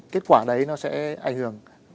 kết quả đấy nó sẽ ảnh hưởng